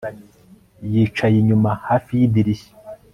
yicaye inyuma, hafi yidirishya